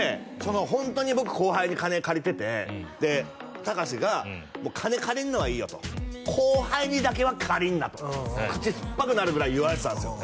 ホントに僕後輩に金借りててで隆が「金借りるのはいいよ」と「後輩にだけは借りんな」と口酸っぱくなるぐらい言われてたんすよ